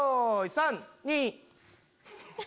３・２。